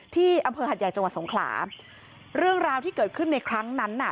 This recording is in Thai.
ที่อำเภอหัดใหญ่จังหวัดสงขลาเรื่องราวที่เกิดขึ้นในครั้งนั้นน่ะ